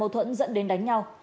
mâu thuẫn dẫn đến đánh nhau